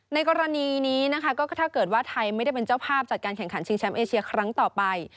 ในกรณีนี้นะคะก็ถ้าเกิดว่าไทยไม่ได้เป็นเจ้าภาพจัดการแข่งขันชิงแชมป์เอเชียครั้งต่อไป